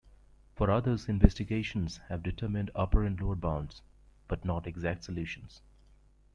For others investigations have determined upper and lower bounds, but not exact solutions.